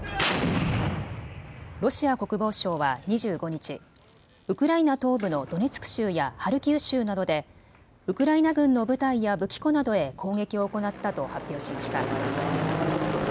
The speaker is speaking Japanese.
ロシア国防省は２５日、ウクライナ東部のドネツク州やハルキウ州などでウクライナ軍の部隊や武器庫などへ攻撃を行ったと発表しました。